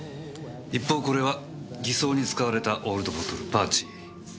一方これは偽装に使われたオールドボトル「パーチー」。